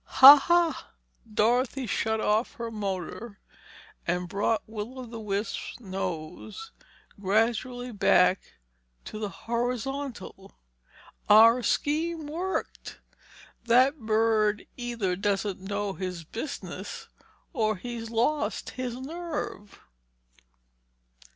"Ha ha!" Dorothy shut off her motor and brought Will o' the Wisp's nose gradually back to the horizontal. "Our scheme worked! That bird either doesn't know his business or he's lost his nerve!"